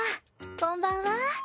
こんばんは。